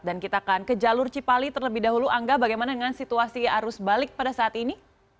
dan kita akan ke jalur cipali terlebih dahulu angga bagaimana dengan situasi arus balik pada saat ini